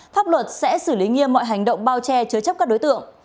pháp luật sẽ xử lý nghiêm mọi hành động bao che chứa chấp các đối tượng